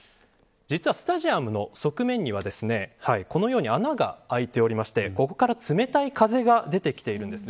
実はスタジアムの側面にはこのように穴が開いておりましてここから冷たい風が出てきているんです。